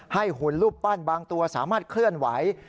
หุ่นรูปปั้นบางตัวสามารถเคลื่อนไหว